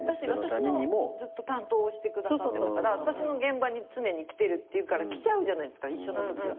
私のずっと担当をしてくださってたから私の現場に常に来てるっていうから来ちゃうじゃないですか一緒のときは。